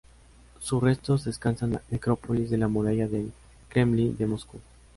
Sus restos descansan en la Necrópolis de la Muralla del Kremlin de Moscú.